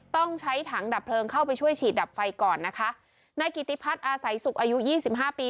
ต้องใช้ถังดับเพลิงเข้าไปช่วยฉีดดับไฟก่อนนะคะนายกิติพัฒน์อาศัยสุขอายุยี่สิบห้าปี